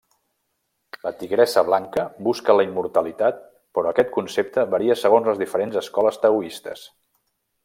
La Tigressa Blanca busca la immortalitat però aquest concepte varia segons les diferents escoles taoistes.